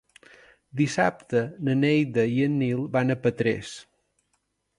Dissabte na Neida i en Nil van a Petrés.